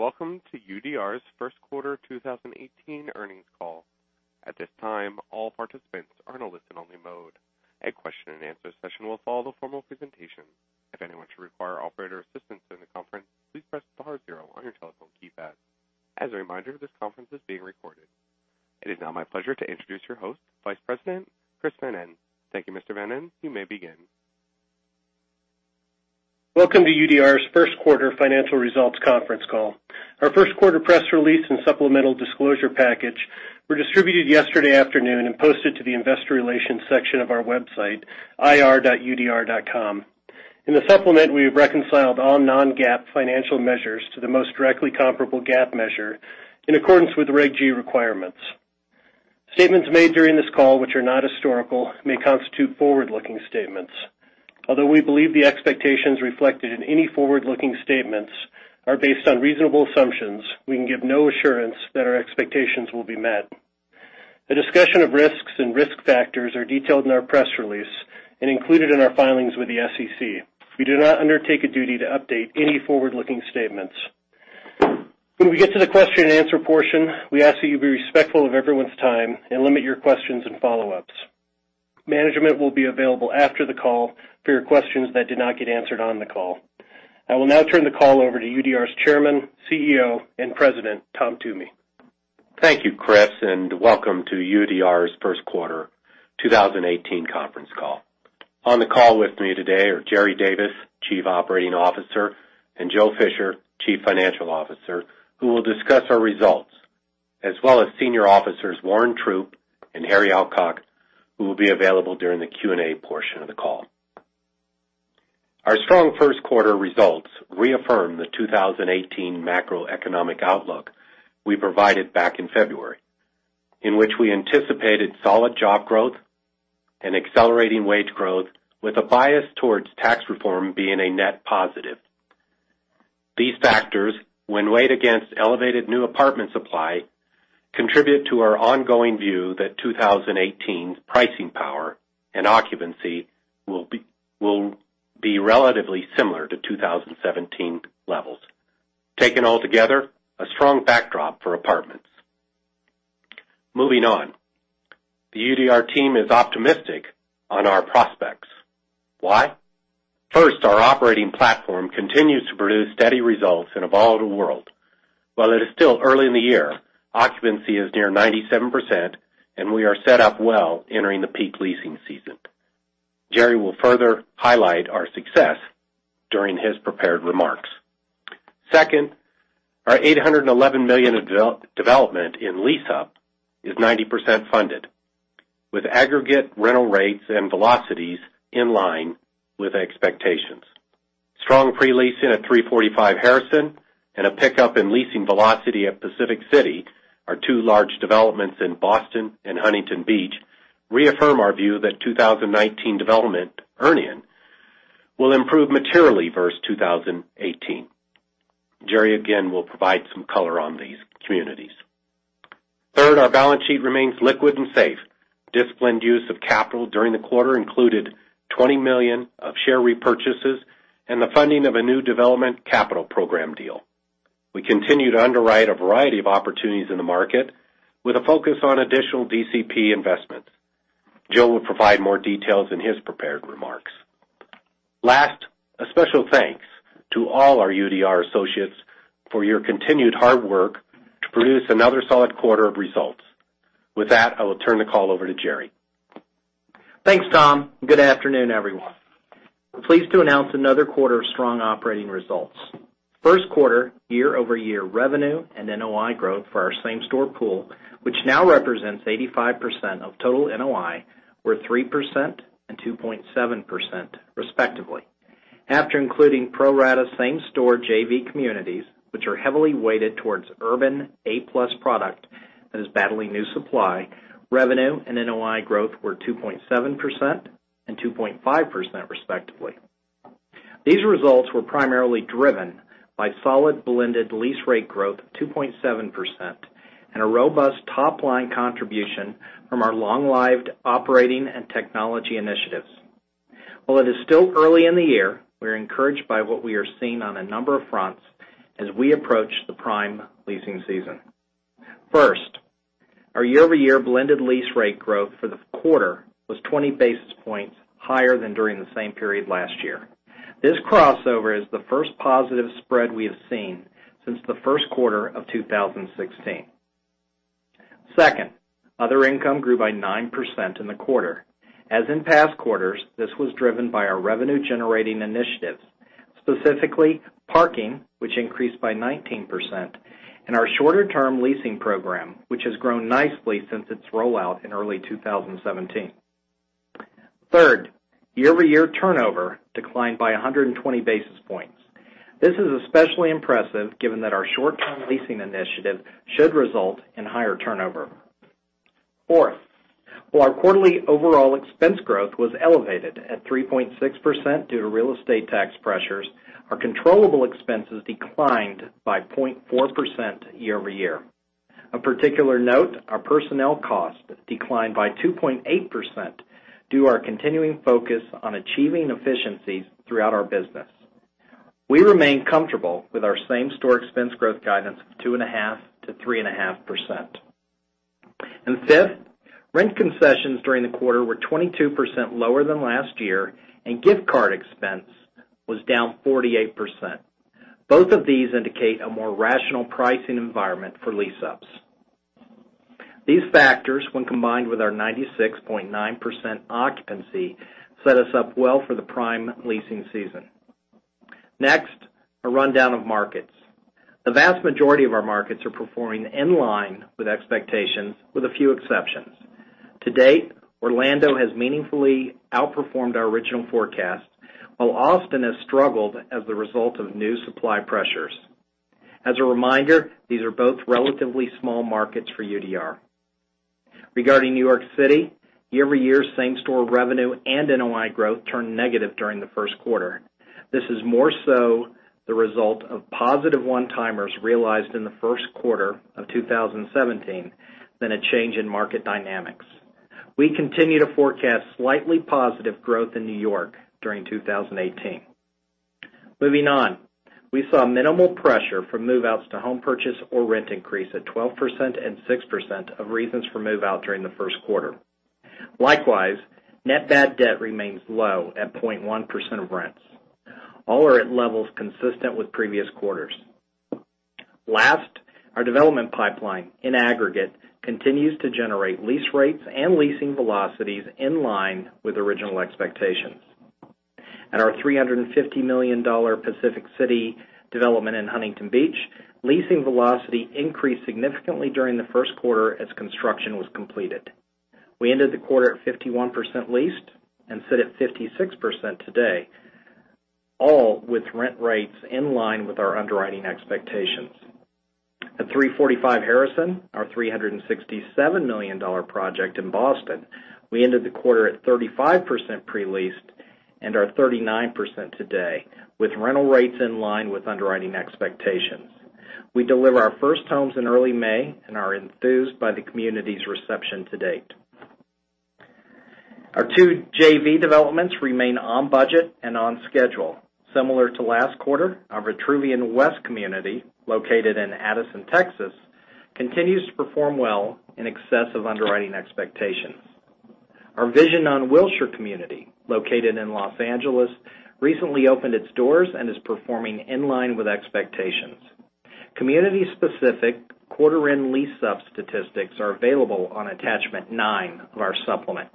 Greetings. Welcome to UDR's first quarter 2018 earnings call. At this time, all participants are in a listen-only mode. A question-and-answer session will follow the formal presentation. If anyone should require operator assistance in the conference, please press star zero on your telephone keypad. As a reminder, this conference is being recorded. It is now my pleasure to introduce your host, Vice President Chris Mannen. Thank you, Mr. Mannen. You may begin. Welcome to UDR's first quarter financial results conference call. Our first quarter press release and supplemental disclosure package were distributed yesterday afternoon and posted to the investor relations section of our website, ir.udr.com. In the supplement, we have reconciled all non-GAAP financial measures to the most directly comparable GAAP measure in accordance with Reg G requirements. Statements made during this call, which are not historical, may constitute forward-looking statements. Although we believe the expectations reflected in any forward-looking statements are based on reasonable assumptions, we can give no assurance that our expectations will be met. A discussion of risks and risk factors are detailed in our press release and included in our filings with the SEC. We do not undertake a duty to update any forward-looking statements. When we get to the question-and-answer portion, we ask that you be respectful of everyone's time and limit your questions and follow-ups. Management will be available after the call for your questions that did not get answered on the call. I will now turn the call over to UDR's Chairman, CEO, and President, Tom Toomey. Thank you, Chris. Welcome to UDR's first quarter 2018 conference call. On the call with me today are Jerry Davis, Chief Operating Officer, and Joe Fisher, Chief Financial Officer, who will discuss our results, as well as Senior Officers Warren Troupe and Harry Alcock, who will be available during the Q&A portion of the call. Our strong first quarter results reaffirm the 2018 macroeconomic outlook we provided back in February, in which we anticipated solid job growth and accelerating wage growth with a bias towards tax reform being a net positive. These factors, when weighed against elevated new apartment supply, contribute to our ongoing view that 2018's pricing power and occupancy will be relatively similar to 2017 levels. Taken altogether, a strong backdrop for apartments. Moving on. The UDR team is optimistic on our prospects. Why? First, our operating platform continues to produce steady results in a volatile world. While it is still early in the year, occupancy is near 97%, and we are set up well entering the peak leasing season. Jerry will further highlight our success during his prepared remarks. Second, our $811 million of development in lease-up is 90% funded, with aggregate rental rates and velocities in line with expectations. Strong pre-leasing at 345 Harrison and a pickup in leasing velocity at Pacific City, our two large developments in Boston and Huntington Beach, reaffirm our view that 2019 development earn-in will improve materially versus 2018. Jerry, again, will provide some color on these communities. Third, our balance sheet remains liquid and safe. Disciplined use of capital during the quarter included $20 million of share repurchases and the funding of a new Development Capital Program deal. We continue to underwrite a variety of opportunities in the market with a focus on additional DCP investments. Joe will provide more details in his prepared remarks. Last, a special thanks to all our UDR associates for your continued hard work to produce another solid quarter of results. With that, I will turn the call over to Jerry. Thanks, Tom, and good afternoon, everyone. We are pleased to announce another quarter of strong operating results. First quarter year-over-year revenue and NOI growth for our same-store pool, which now represents 85% of total NOI, were 3% and 2.7%, respectively. After including pro rata same-store JV communities, which are heavily weighted towards urban A-plus product that is battling new supply, revenue and NOI growth were 2.7% and 2.5%, respectively. These results were primarily driven by solid blended lease rate growth of 2.7% and a robust top-line contribution from our long-lived operating and technology initiatives. While it is still early in the year, we are encouraged by what we are seeing on a number of fronts as we approach the prime leasing season. First, our year-over-year blended lease rate growth for the quarter was 20 basis points higher than during the same period last year. This crossover is the first positive spread we have seen since the first quarter of 2016. Second, other income grew by 9% in the quarter. As in past quarters, this was driven by our revenue-generating initiatives, specifically parking, which increased by 19%, and our shorter-term leasing program, which has grown nicely since its rollout in early 2017. Third, year-over-year turnover declined by 120 basis points. This is especially impressive given that our short-term leasing initiative should result in higher turnover. Fourth, while our quarterly overall expense growth was elevated at 3.6% due to real estate tax pressures, our controllable expenses declined by 0.4% year-over-year. Of particular note, our personnel costs declined by 2.8% due our continuing focus on achieving efficiencies throughout our business. We remain comfortable with our same-store expense growth guidance of 2.5%-3.5%. Fifth, rent concessions during the quarter were 22% lower than last year, and gift card expense was down 48%. Both of these indicate a more rational pricing environment for lease-ups. These factors, when combined with our 96.9% occupancy, set us up well for the prime leasing season. Next, a rundown of markets. The vast majority of our markets are performing in line with expectations, with a few exceptions. To date, Orlando has meaningfully outperformed our original forecast, while Austin has struggled as the result of new supply pressures. As a reminder, these are both relatively small markets for UDR. Regarding New York City, year-over-year same-store revenue and NOI growth turned negative during the first quarter. This is more so the result of positive one-timers realized in the first quarter of 2017 than a change in market dynamics. We continue to forecast slightly positive growth in New York during 2018. Moving on, we saw minimal pressure from move-outs to home purchase or rent increase at 12% and 6% of reasons for move-out during the first quarter. Likewise, net bad debt remains low at 0.1% of rents. All are at levels consistent with previous quarters. Last, our development pipeline, in aggregate, continues to generate lease rates and leasing velocities in line with original expectations. At our $350 million Pacific City development in Huntington Beach, leasing velocity increased significantly during the first quarter as construction was completed. We ended the quarter at 51% leased and sit at 56% today, all with rent rates in line with our underwriting expectations. At 345 Harrison, our $367 million project in Boston, we ended the quarter at 35% pre-leased and are 39% today, with rental rates in line with underwriting expectations. We deliver our first homes in early May and are enthused by the community's reception to date. Our two JV developments remain on budget and on schedule. Similar to last quarter, our Vitruvian West community, located in Addison, Texas, continues to perform well in excess of underwriting expectations. Our Vision on Wilshire community, located in Los Angeles, recently opened its doors and is performing in line with expectations. Community-specific quarter-end lease-up statistics are available on attachment nine of our supplement.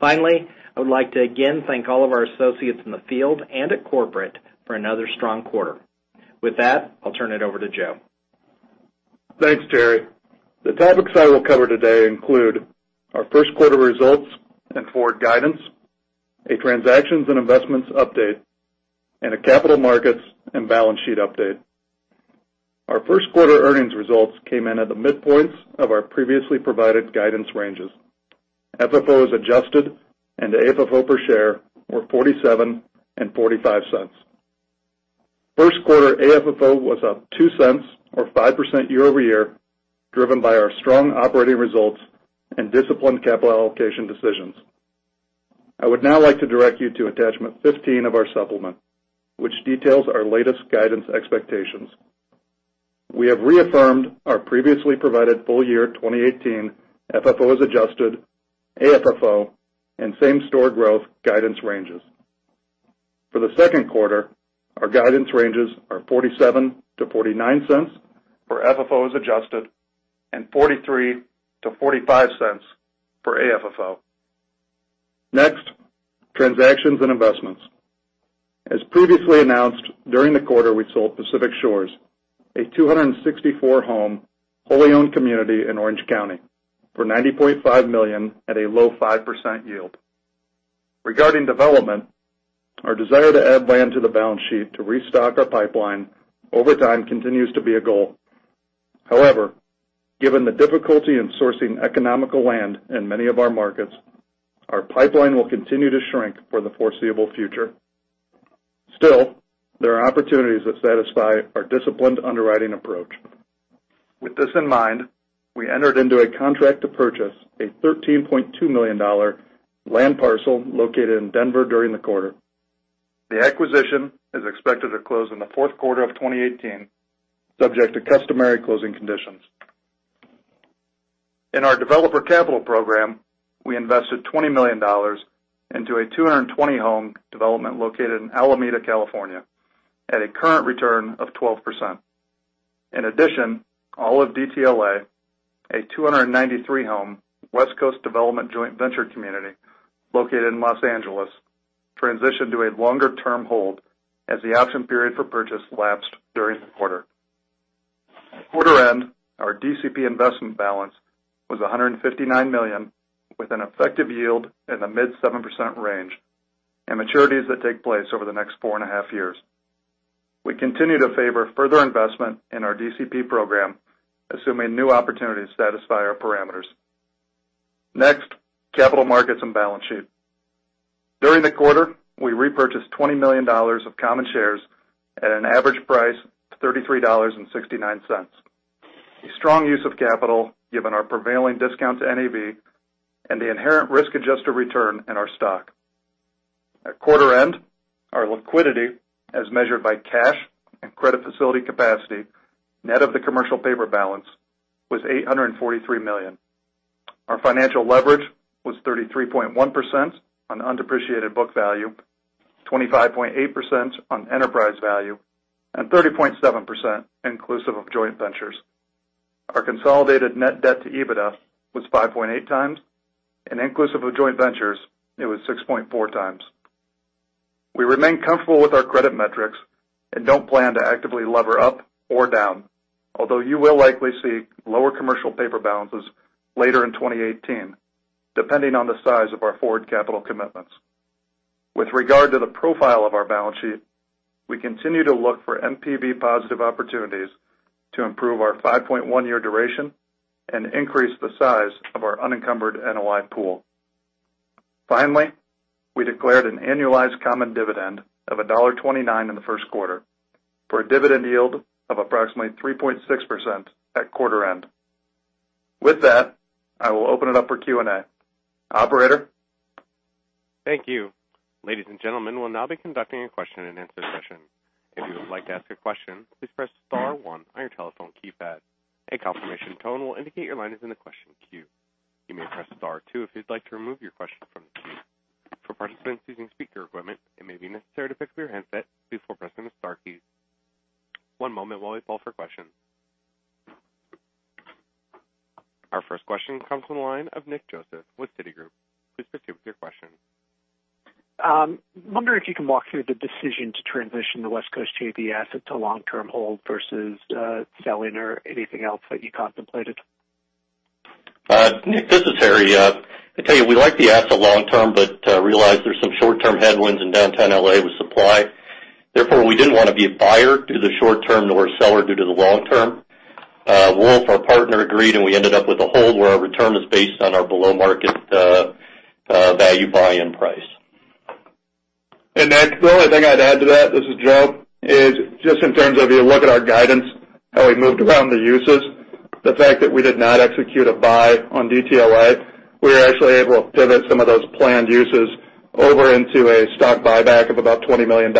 Finally, I would like to again thank all of our associates in the field and at corporate for another strong quarter. With that, I'll turn it over to Joe. Thanks, Jerry. The topics I will cover today include our first quarter results and forward guidance, a transactions and investments update, and a capital markets and balance sheet update. Our first quarter earnings results came in at the midpoints of our previously provided guidance ranges. FFO adjusted and the AFFO per share were $0.47 and $0.45. First quarter AFFO was up $0.02 or 5% year-over-year, driven by our strong operating results and disciplined capital allocation decisions. I would now like to direct you to attachment 15 of our supplement, which details our latest guidance expectations. We have reaffirmed our previously provided full year 2018 FFO adjusted, AFFO, and same-store growth guidance ranges. For the second quarter, our guidance ranges are $0.47-$0.49 for FFO adjusted and $0.43-$0.45 for AFFO. Next, transactions and investments. As previously announced during the quarter, we sold Pacific Shores, a 264-home, wholly owned community in Orange County for $90.5 million at a low 5% yield. Regarding development, our desire to add land to the balance sheet to restock our pipeline over time continues to be a goal. However, given the difficulty in sourcing economical land in many of our markets, our pipeline will continue to shrink for the foreseeable future. Still, there are opportunities that satisfy our disciplined underwriting approach. With this in mind, we entered into a contract to purchase a $13.2 million land parcel located in Denver during the quarter. The acquisition is expected to close in the fourth quarter of 2018, subject to customary closing conditions. In our developer capital program, we invested $20 million into a 220-home development located in Alameda, California, at a current return of 12%. All of DTLA, a 293-home West Coast development joint venture community located in Los Angeles, transitioned to a longer-term hold as the option period for purchase lapsed during the quarter. At quarter end, our DCP investment balance was $159 million, with an effective yield in the mid-7% range and maturities that take place over the next four and a half years. We continue to favor further investment in our DCP program, assuming new opportunities satisfy our parameters. Capital markets and balance sheet. During the quarter, we repurchased $20 million of common shares at an average price of $33.69. A strong use of capital given our prevailing discount to NAV and the inherent risk-adjusted return in our stock. At quarter end, our liquidity, as measured by cash and credit facility capacity, net of the commercial paper balance, was $843 million. Our financial leverage was 33.1% on undepreciated book value, 25.8% on enterprise value, and 30.7% inclusive of joint ventures. Our consolidated net debt to EBITDA was 5.8 times, and inclusive of joint ventures, it was 6.4 times. We remain comfortable with our credit metrics and don't plan to actively lever up or down, although you will likely see lower commercial paper balances later in 2018, depending on the size of our forward capital commitments. With regard to the profile of our balance sheet, we continue to look for NPV-positive opportunities to improve our 5.1-year duration and increase the size of our unencumbered NOI pool. We declared an annualized common dividend of $1.29 in the first quarter, for a dividend yield of approximately 3.6% at quarter end. With that, I will open it up for Q&A. Operator? Thank you. Ladies and gentlemen, we'll now be conducting a question-and-answer session. If you would like to ask a question, please press star one on your telephone keypad. A confirmation tone will indicate your line is in the question queue. You may press star two if you'd like to remove your question from the queue. For participants using speaker equipment, it may be necessary to pick up your handset before pressing the star keys. One moment while we poll for questions. Our first question comes from the line of Nicholas Joseph with Citigroup. Please proceed with your question. I'm wondering if you can walk through the decision to transition the West Coast JV asset to long-term hold versus selling or anything else that you contemplated. Nick, this is Harry. I tell you, we like the asset long term, realize there's some short-term headwinds in downtown L.A. with supply. We didn't want to be a buyer due to the short term, nor a seller due to the long term. Wolff, our partner, agreed, we ended up with a hold where our return is based on our below-market value buy-in price. Nick, the only thing I'd add to that, this is Joe, is just in terms of you look at our guidance, how we moved around the uses. The fact that we did not execute a buy on DTLA, we were actually able to pivot some of those planned uses over into a stock buyback of about $20 million.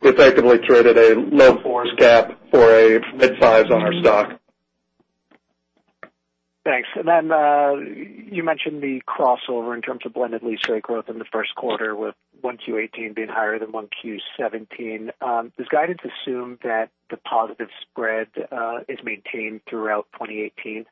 We effectively traded a low fours gap for a mid-fives on our stock. Thanks. Then you mentioned the crossover in terms of blended lease rate growth in the first quarter, with 1Q18 being higher than 1Q17. Does guidance assume that the positive spread is maintained throughout 2018?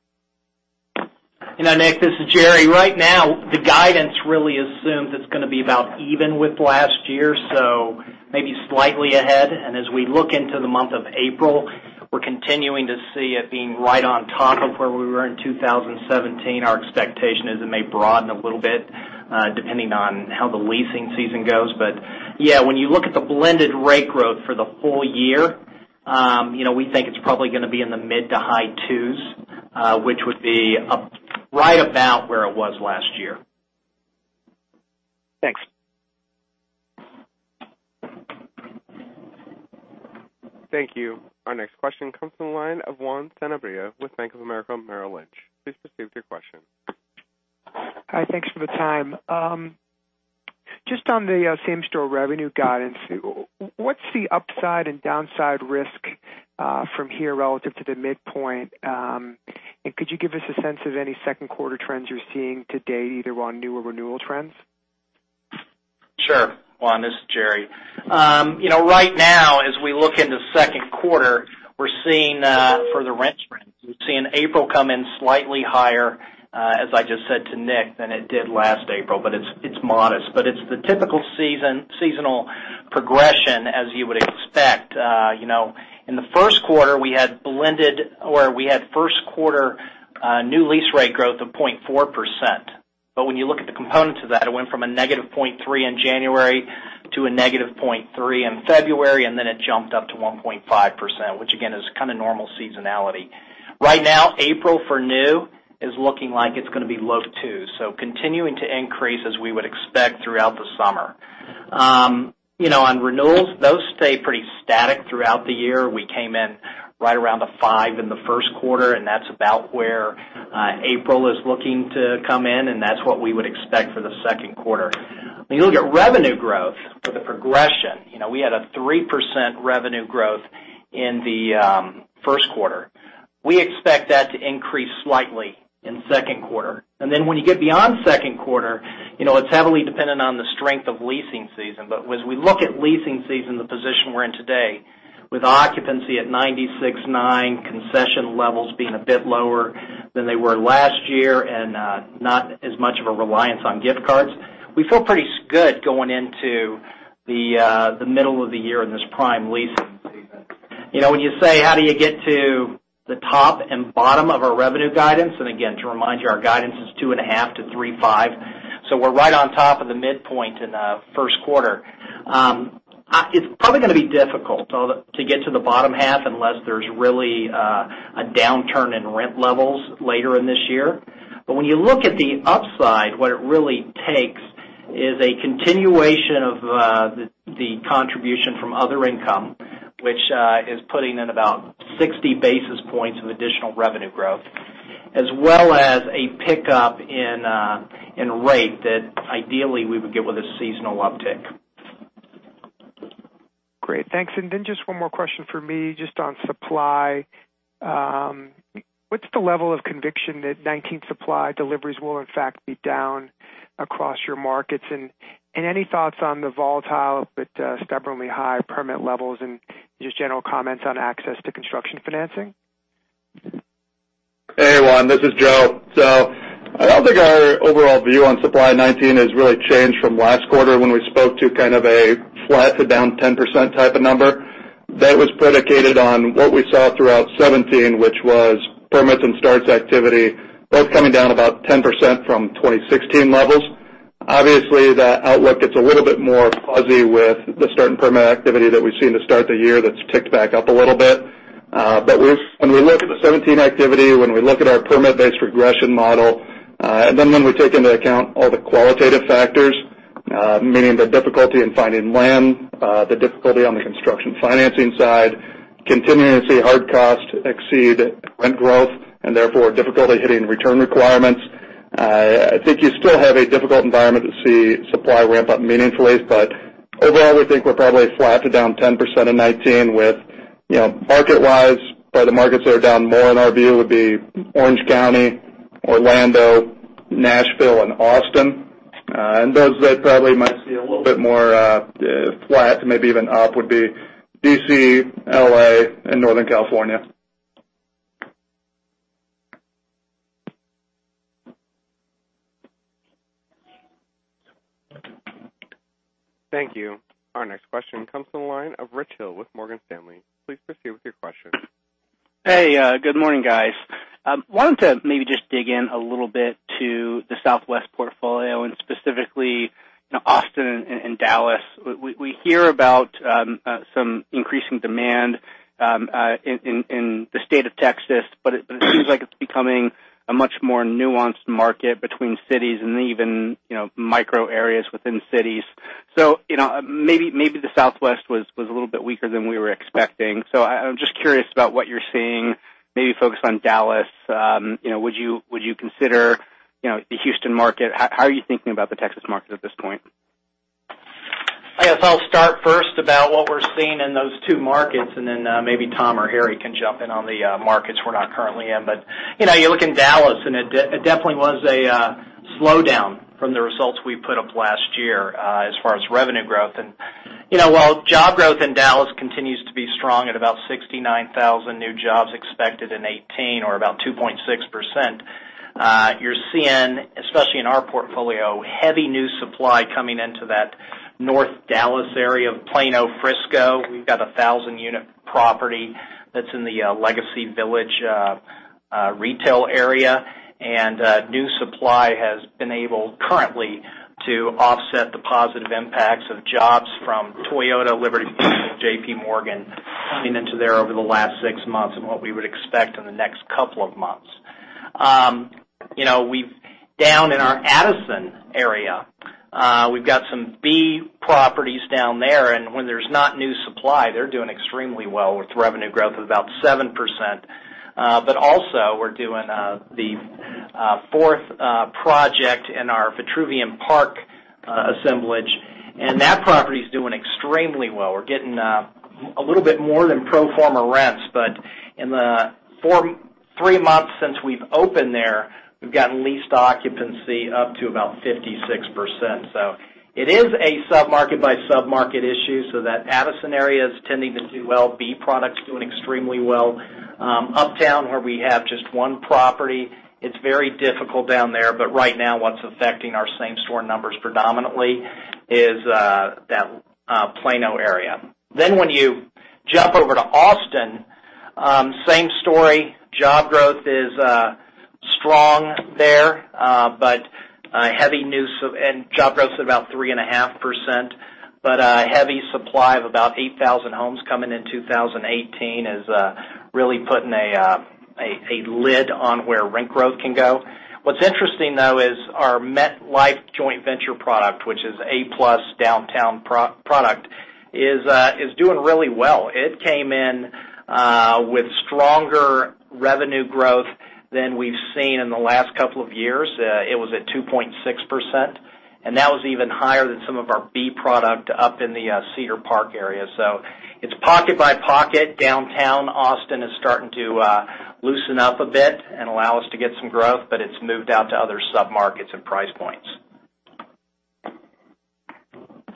Nick, this is Jerry. Right now, the guidance really assumes it's going to be about even with last year, so maybe slightly ahead. As we look into the month of April, we're continuing to see it being right on top of where we were in 2017. Our expectation is it may broaden a little bit, depending on how the leasing season goes. Yeah, when you look at the blended rate growth for the whole year, we think it's probably going to be in the mid-to-high 2s, which would be right about where it was last year. Thanks. Thank you. Our next question comes from the line of Juan Sanabria with Bank of America, Merrill Lynch. Please proceed with your question. Hi, thanks for the time. Just on the same-store revenue guidance, what's the upside and downside risk from here relative to the midpoint? Could you give us a sense of any second quarter trends you're seeing to date, either on new or renewal trends? Sure, Juan. This is Jerry. Right now, as we look into second quarter, for the rent trends, we're seeing April come in slightly higher, as I just said to Nick, than it did last April, but it's modest. It's the typical seasonal progression as you would expect. In the first quarter, we had first quarter new lease rate growth of 0.4%. When you look at the components of that, it went from a -0.3% in January to a -0.3% in February, then it jumped up to 1.5%, which again, is kind of normal seasonality. Right now, April for new is looking like it's going to be low 2s. Continuing to increase as we would expect throughout the summer. On renewals, those stay pretty static throughout the year. We came in right around 5% in the first quarter, and that's about where April is looking to come in, and that's what we would expect for the second quarter. When you look at revenue growth for the progression, we had 3% revenue growth in the first quarter. We expect that to increase slightly in second quarter. When you get beyond second quarter, it's heavily dependent on the strength of leasing season. As we look at leasing season, the position we're in today, with occupancy at 96.9%, concession levels being a bit lower than they were last year, and not as much of a reliance on gift cards, we feel pretty good going into the middle of the year in this prime leasing season. When you say how do you get to the top and bottom of our revenue guidance, and again, to remind you, our guidance is two and a half to 3.5, so we're right on top of the midpoint in the first quarter. It's probably going to be difficult to get to the bottom half unless there's really a downturn in rent levels later in this year. When you look at the upside, what it really takes is a continuation of the contribution from other income, which is putting in about 60 basis points of additional revenue growth, as well as a pickup in rate that ideally we would get with a seasonal uptick. Great. Thanks. Just one more question from me, just on supply. What's the level of conviction that 2019 supply deliveries will in fact be down across your markets? Any thoughts on the volatile but stubbornly high permit levels, and just general comments on access to construction financing? Hey, Juan, this is Joe. I don't think our overall view on supply in 2019 has really changed from last quarter when we spoke to kind of a flat to down 10% type of number. That was predicated on what we saw throughout 2017, which was permits and starts activity both coming down about 10% from 2016 levels. Obviously, that outlook gets a little bit more fuzzy with the start and permit activity that we've seen to start the year that's ticked back up a little bit. When we look at the 2017 activity, when we look at our permit-based regression model, and then when we take into account all the qualitative factors, meaning the difficulty in finding land, the difficulty on the construction financing side, continuing to see hard costs exceed rent growth, and therefore, difficulty hitting return requirements, I think you still have a difficult environment to see supply ramp up meaningfully. Overall, we think we're probably flat to down 10% in 2019 with market-wise, probably the markets that are down more in our view would be Orange County, Orlando, Nashville, and Austin. And those that probably might see a little bit more flat to maybe even up would be D.C., L.A., and Northern California. Thank you. Our next question comes from the line of Richard Hill with Morgan Stanley. Please proceed with your question. Hey, good morning, guys. Wanted to maybe just dig in a little bit to the Southwest portfolio and specifically Austin and Dallas. We hear about some increasing demand in the state of Texas, but it seems like it's becoming a much more nuanced market between cities and even micro areas within cities. So maybe the Southwest was a little bit weaker than we were expecting. So I'm just curious about what you're seeing, maybe focused on Dallas. Would you consider the Houston market? How are you thinking about the Texas market at this point? I guess I'll start first about what we're seeing in those two markets, and then maybe Tom or Harry can jump in on the markets we're not currently in. You look in Dallas, and it definitely was a slowdown from the results we put up last year as far as revenue growth. And while job growth in Dallas continues to be strong at about 69,000 new jobs expected in 2018 or about 2.6%, you're seeing, especially in our portfolio, heavy new supply coming into that North Dallas area of Plano, Frisco. We've got a 1,000-unit property that's in the Legacy Village retail area, and new supply has been able currently to offset the positive impacts of jobs from Toyota, Liberty Mutual, JPMorgan coming into there over the last six months and what we would expect in the next couple of months. Down in our Addison area, we've got some B properties down there. When there's not new supply, they're doing extremely well with revenue growth of about 7%. Also we're doing the fourth project in our Vitruvian West assemblage, and that property's doing extremely well. We're getting a little bit more than pro forma rents, but in the three months since we've opened there, we've gotten leased occupancy up to about 56%. It is a sub-market by sub-market issue, so that Addison area is tending to do well. B products doing extremely well. Uptown, where we have just one property, it's very difficult down there, but right now, what's affecting our same store numbers predominantly is that Plano area. When you jump over to Austin, same story. Job growth is strong there and job growth's at about 3.5%. A heavy supply of about 8,000 homes coming in 2018 is really putting a lid on where rent growth can go. What's interesting, though, is our MetLife joint venture product, which is A-plus downtown product, is doing really well. It came in with stronger revenue growth than we've seen in the last couple of years. It was at 2.6%, and that was even higher than some of our B product up in the Cedar Park area. It's pocket by pocket. Downtown Austin is starting to loosen up a bit and allow us to get some growth, but it's moved out to other sub-markets and price points.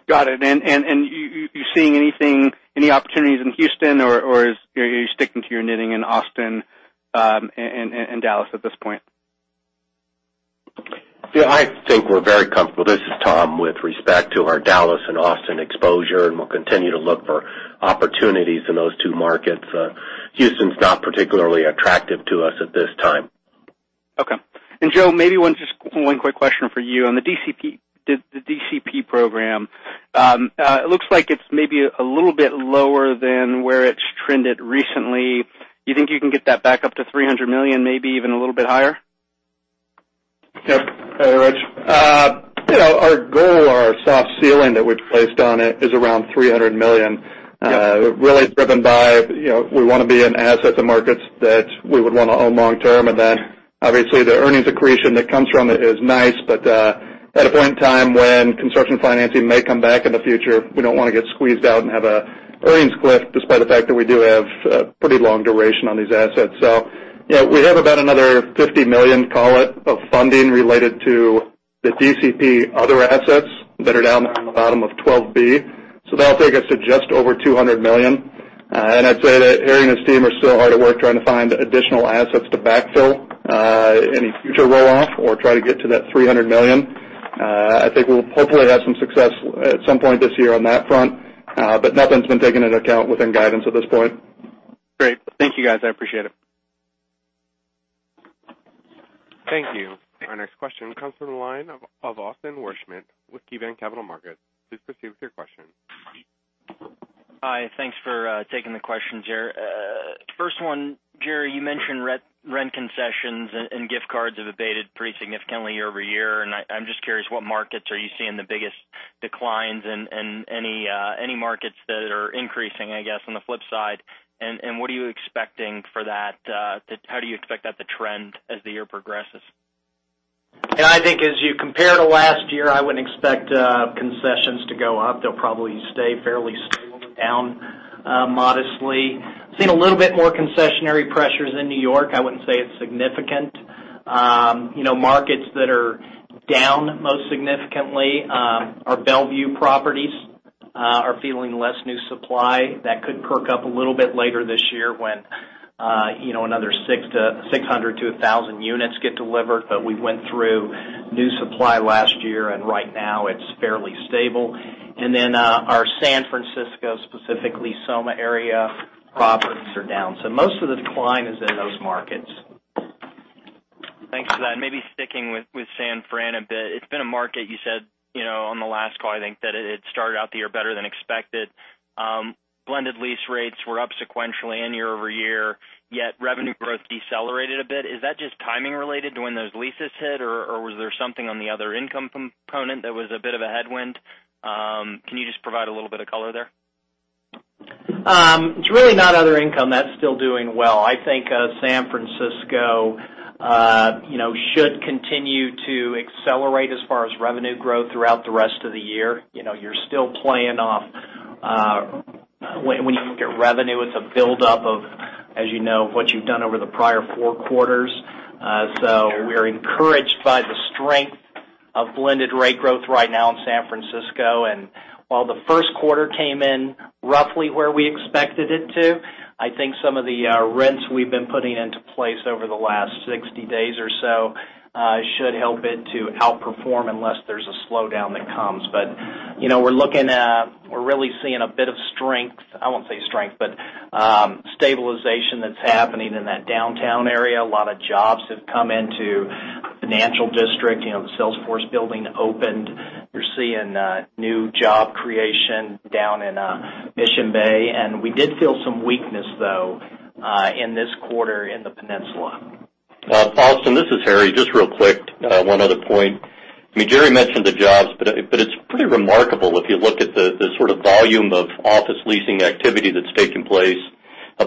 Got it. You're seeing any opportunities in Houston, or are you sticking to your knitting in Austin and Dallas at this point? Yeah, I think we're very comfortable, this is Tom, with respect to our Dallas and Austin exposure. We'll continue to look for opportunities in those two markets. Houston's not particularly attractive to us at this time. Joe, maybe just one quick question for you on the DCP program. It looks like it's maybe a little bit lower than where it's trended recently. You think you can get that back up to $300 million, maybe even a little bit higher? Yep. Hey, Rich. Our goal, our soft ceiling that we've placed on it, is around $300 million. Yep. Really driven by, we want to be in assets and markets that we would want to own long-term, and then obviously, the earnings accretion that comes from it is nice, but at a point in time when construction financing may come back in the future, we don't want to get squeezed out and have an earnings cliff, despite the fact that we do have pretty long duration on these assets. We have about another $50 million, call it, of funding related to the DCP other assets that are down on the bottom of 12B. That'll take us to just over $200 million. I'd say that Harry and his team are still hard at work trying to find additional assets to backfill any future roll-off or try to get to that $300 million. I think we'll hopefully have some success at some point this year on that front, nothing's been taken into account within guidance at this point. Great. Thank you, guys. I appreciate it. Thank you. Our next question comes from the line of Austin Wurschmidt with KeyBanc Capital Markets. Please proceed with your question. Hi. Thanks for taking the questions here. First one, Jerry, you mentioned rent concessions and gift cards have abated pretty significantly year-over-year. I'm just curious, what markets are you seeing the biggest declines in? Any markets that are increasing, I guess, on the flip side, and what are you expecting for that? How do you expect that to trend as the year progresses? I think as you compare to last year, I wouldn't expect concessions to go up. They'll probably stay fairly stable to down modestly. Seeing a little bit more concessionary pressures in New York. I wouldn't say it's significant. Markets that are down most significantly are Bellevue properties, are feeling less new supply. That could perk up a little bit later this year when another 600-1,000 units get delivered. We went through new supply last year, and right now, it's fairly stable. Then our San Francisco, specifically SoMa area, properties are down. Most of the decline is in those markets. Thanks for that. Maybe sticking with San Fran a bit. It's been a market, you said on the last call, I think, that it started out the year better than expected. Blended lease rates were up sequentially and year-over-year, yet revenue growth decelerated a bit. Is that just timing related to when those leases hit, or was there something on the other income component that was a bit of a headwind? Can you just provide a little bit of color there? It's really not other income. That's still doing well. I think San Francisco should continue to accelerate as far as revenue growth throughout the rest of the year. You're still playing off. When you look at revenue, it's a buildup of, as you know, what you've done over the prior four quarters. We're encouraged by the strength of blended rate growth right now in San Francisco. While the first quarter came in roughly where we expected it to, I think some of the rents we've been putting into place over the last 60 days or so should help it to outperform unless there's a slowdown that comes. We're really seeing a bit of strength, I won't say strength, but stabilization that's happening in that downtown area. A lot of jobs have come into the financial district. The Salesforce building opened. You're seeing new job creation down in Mission Bay. We did feel some weakness, though, in this quarter in the Peninsula. Austin, this is Harry. Just real quick, one other point. Jerry mentioned the jobs, it's pretty remarkable if you look at the sort of volume of office leasing activity that's taken place,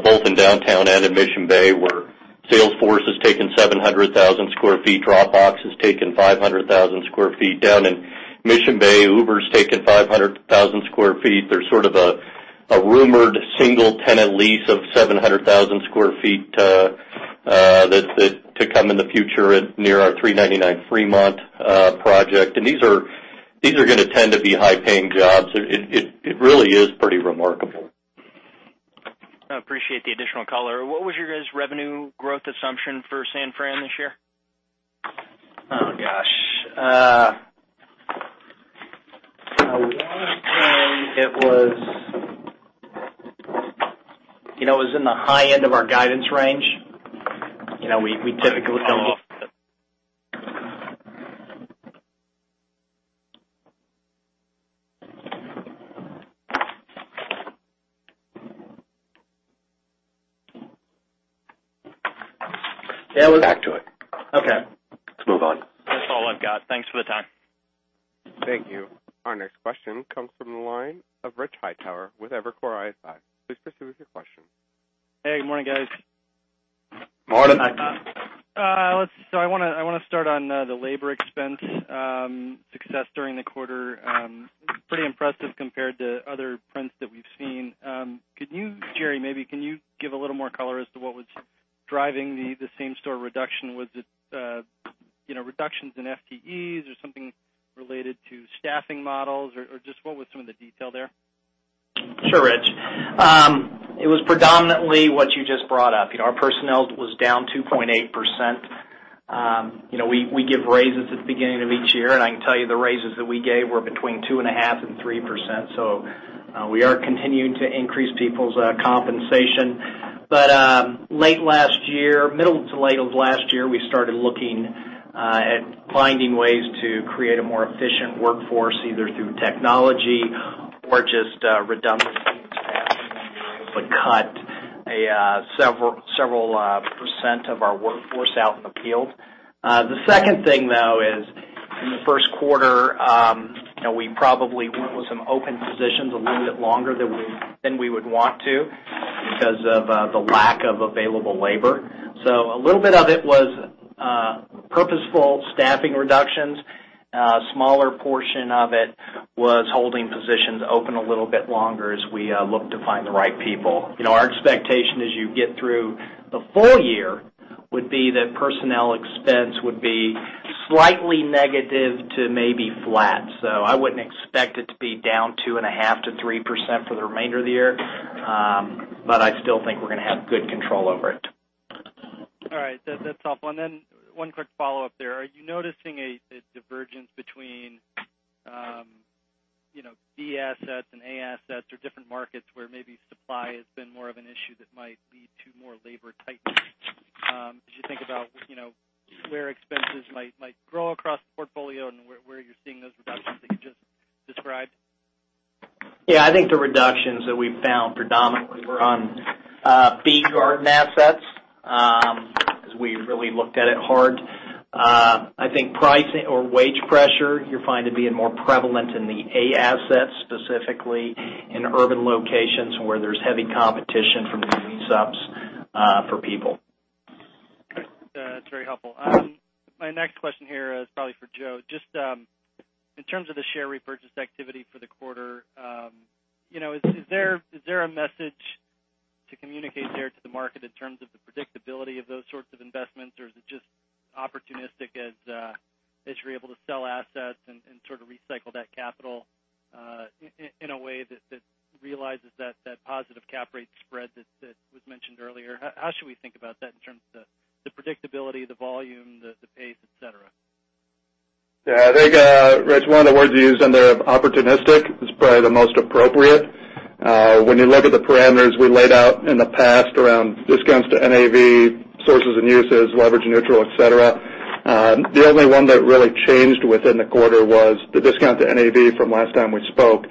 both in downtown and in Mission Bay, where Salesforce has taken 700,000 square feet, Dropbox has taken 500,000 square feet. Down in Mission Bay, Uber's taken 500,000 square feet. There's sort of a rumored single-tenant lease of 700,000 square feet to come in the future near our 399 Fremont project. These are going to tend to be high-paying jobs. It really is pretty remarkable. I appreciate the additional color. What was your guys' revenue growth assumption for San Fran this year? Oh, gosh. I want to say it was in the high end of our guidance range. We typically don't- Back to it. Okay. Let's move on. That's all I've got. Thanks for the time. Thank you. Our next question comes from the line of Richard Hightower with Evercore ISI. Please proceed with your question. Hey, good morning, guys. Morning. Hi. I want to start on the labor expense success during the quarter. Pretty impressive compared to other prints that we've seen. Jerry, maybe can you give a little more color as to what was driving the same-store reduction? Was it reductions in FTEs, or something related to staffing models, or just what was some of the detail there? Sure, Rich. It was predominantly what you just brought up. Our personnel was down 2.8%. We give raises at the beginning of each year. I can tell you the raises that we gave were between 2.5% and 3%. We are continuing to increase people's compensation. Middle to late of last year, we started looking at finding ways to create a more efficient workforce, either through technology or just redundancy in staffing, and we were able to cut several percent of our workforce out in the field. The second thing, though, is in the first quarter, we probably went with some open positions a little bit longer than we would want to because of the lack of available labor. A little bit of it was purposeful staffing reductions. A smaller portion of it was holding positions open a little bit longer as we look to find the right people. Our expectation as you get through the full year would be that personnel expense would be slightly negative to maybe flat. I wouldn't expect it to be down 2.5%-3% for the remainder of the year, but I still think we're going to have good control over it. All right. That's helpful. One quick follow-up there. Are you noticing a divergence between B assets and A assets or different markets where maybe supply has been more of an issue that might lead to more labor tightness as you think about where expenses might grow across the portfolio and where you're seeing those reductions that you just described? Yeah. I think the reductions that we found predominantly were on B garden assets, as we really looked at it hard. I think pricing or wage pressure, you're finding being more prevalent in the A assets, specifically in urban locations where there's heavy competition for people. Great. That's very helpful. My next question here is probably for Joe. Just in terms of the share repurchase activity for the quarter, is there a message to communicate there to the market in terms of the predictability of those sorts of investments, or is it just opportunistic as you're able to sell assets and sort of recycle that capital in a way that realizes that positive cap rate spread that was mentioned earlier? How should we think about that in terms of the predictability, the volume, the pace, et cetera? Yeah. I think, Rich, one of the words you used in there of opportunistic is probably the most appropriate. When you look at the parameters we laid out in the past around discounts to NAV, sources and uses, leverage neutral, et cetera, the only one that really changed within the quarter was the discount to NAV from last time we spoke.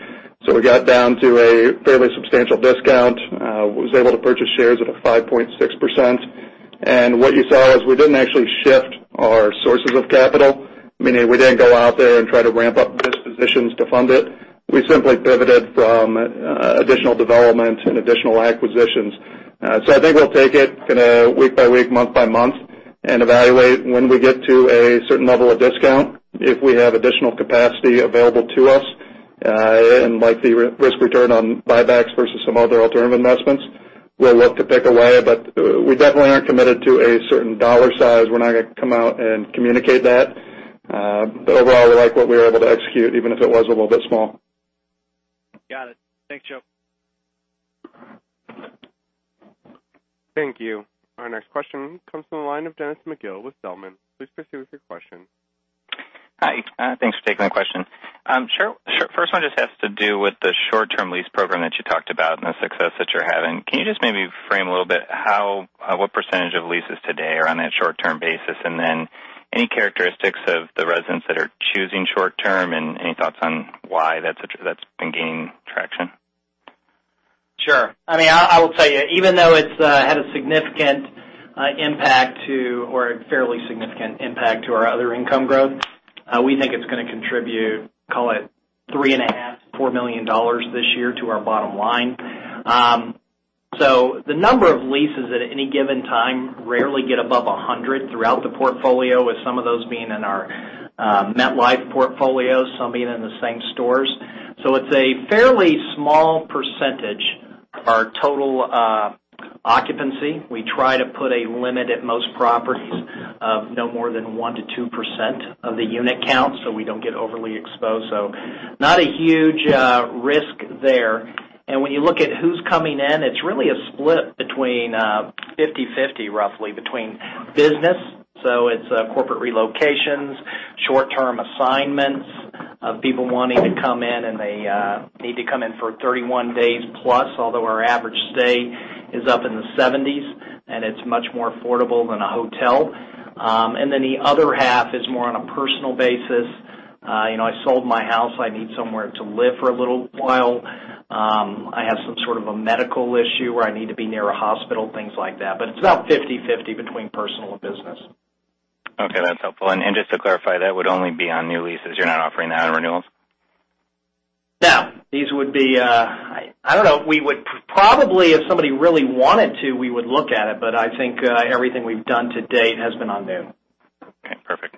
We got down to a fairly substantial discount, was able to purchase shares at a 5.6%. What you saw is we didn't actually shift our sources of capital, meaning we didn't go out there and try to ramp up dispositions to fund it. We simply pivoted from additional development and additional acquisitions. I think we'll take it week by week, month by month, and evaluate when we get to a certain level of discount, if we have additional capacity available to us, and like the risk-return on buybacks versus some other alternative investments, we'll look to pick away, but we definitely aren't committed to a certain dollar size. We're not going to come out and communicate that. Overall, we like what we were able to execute, even if it was a little bit small. Got it. Thanks, Joe. Thank you. Our next question comes from the line of Dennis McGill with Zelman. Please proceed with your question. Hi. Thanks for taking the question. Sure. First one just has to do with the short-term lease program that you talked about and the success that you're having. Can you just maybe frame a little bit what percentage of leases today are on that short-term basis, then any characteristics of the residents that are choosing short-term, and any thoughts on why that's been gaining traction? Sure. I will tell you, even though it's had a fairly significant impact to our other income growth, we think it's going to contribute, call it $3.5 million, $4 million this year to our bottom line. The number of leases at any given time rarely get above 100 throughout the portfolio, with some of those being in our MetLife portfolio, some being in the same stores. It's a fairly small percentage of our total occupancy. We try to put a limit at most properties of no more than 1%-2% of the unit count, so we don't get overly exposed. Not a huge risk there. When you look at who's coming in, it's really a split between 50/50, roughly, between business, it's corporate relocations, short-term assignments of people wanting to come in, they need to come in for 31 days plus, although our average stay is up in the 70s, it's much more affordable than a hotel. The other half is more on a personal basis. I sold my house, I need somewhere to live for a little while. I have some sort of a medical issue where I need to be near a hospital, things like that. It's about 50/50 between personal and business. Okay, that's helpful. Just to clarify, that would only be on new leases. You're not offering that on renewals? No. These would be I don't know. Probably if somebody really wanted to, we would look at it, but I think everything we've done to date has been on new. Okay, perfect.